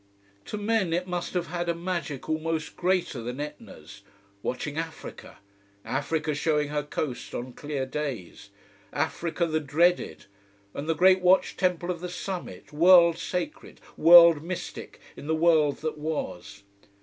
To men it must have had a magic almost greater than Etna's. Watching Africa! Africa, showing her coast on clear days. Africa the dreaded. And the great watch temple of the summit, world sacred, world mystic in the world that was.